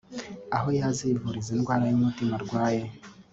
aho yazivuriza indwara y’umutima adwaye